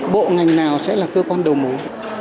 bộ ngành nào sẽ là cơ quan đầu mối